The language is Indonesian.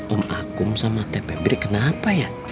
om akum sama teh pebri kenapa ya